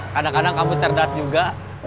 kadang kadang kamu cerdas juga